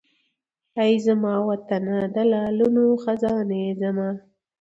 ای زما وطنه د لعلونو خزانې زما!